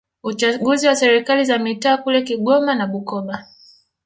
uchaguzi wa serikali za mitaa kule Kigoma na Bukoba